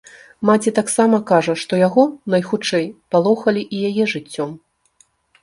Маці таксама кажа, што яго, найхутчэй, палохалі і яе жыццём.